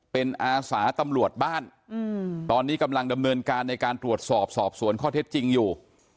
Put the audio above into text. เป็นอาสาตำรวจบ้านตอนนี้กำลังดำเนินการในการตรวจสอบสอบสวนข้อเท็จจริงอยู่